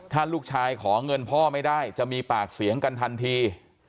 ถ้าลูกชายขอเงินพ่อไม่ได้จะมีปากเสียงกันทันที